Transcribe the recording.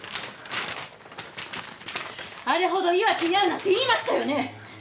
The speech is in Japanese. あれほど岩城に会うなって言いましたよね